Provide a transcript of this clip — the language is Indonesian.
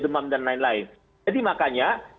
demam dan lain lain jadi makanya